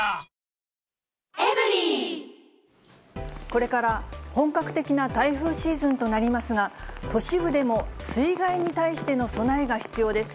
これから本格的な台風シーズンとなりますが、都市部でも水害に対しての備えが必要です。